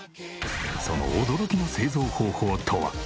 その驚きの製造方法とは？